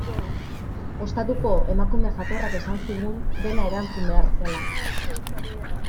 Ostatuko emakume jatorrak esan zigun dena erantzun behar zela.